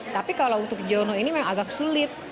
tapi kalau untuk jono ini memang agak sulit